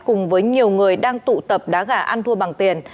cùng với nhiều người đang tụ tập đá gà ăn thua bằng tiền